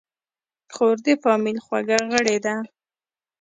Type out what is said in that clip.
خور د فامیل خوږه غړي ده.